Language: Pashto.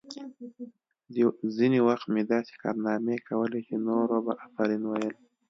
ځینې وخت مې داسې کارنامې کولې چې نورو به آفرین ویل